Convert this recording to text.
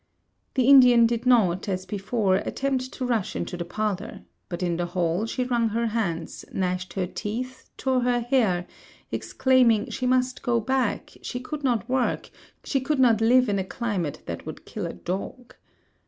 The Indian did not, as before, attempt to rush into the parlour; but in the hall, she wrung her hands, gnashed her teeth, tore her hair, exclaiming, she must go back, she could not work, she could not live in a climate that would kill a dog.